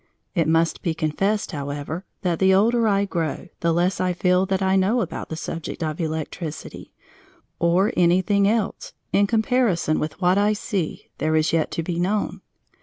It must be confessed, however, that the older I grow the less I feel that I know about the subject of electricity, or anything else, in comparison with what I see there is yet to be known.